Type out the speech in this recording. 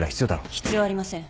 必要ありません。